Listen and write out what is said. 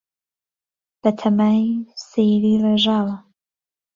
به تهمای سهیری رێژاوه